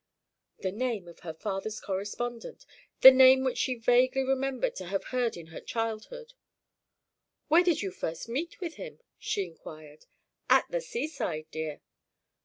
The name of her father's correspondent! The name which she vaguely remembered to have heard in her childhood! "Where did you first meet with him?" she inquired. "At the seaside, dear!"